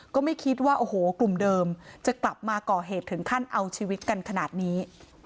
ก็ไม่คิดว่าโอ้โหกลุ่มเดิมจะกลับมาก่อเหตุถึงขั้นเอาชีวิตกันขนาดนี้